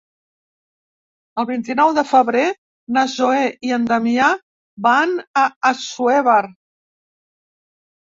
El vint-i-nou de febrer na Zoè i en Damià van a Assuévar.